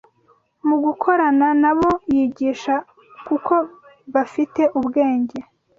mu gukorana n’abo yigisha kuko bafite ubwenge